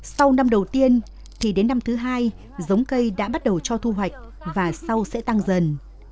sau năm đầu tiên chỉ đến năm thứ hai giống cây đã bắt đầu cho thu hoạch và sau sẽ tăng dần